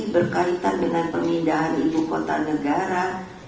berkaitan dengan pemindahan ibu kota negara